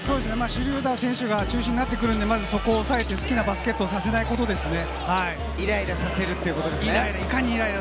シュルーダー選手が中心となってくるので、そこを抑えて、好きなバスケットをさせないことですね。